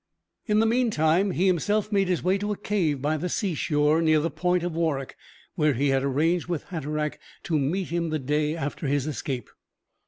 In the meantime he himself made his way to a cave by the seashore near the Point of Warroch, where he had arranged with Hatteraick to meet him the day after his escape.